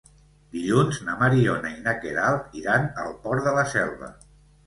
Dilluns na Mariona i na Queralt iran al Port de la Selva.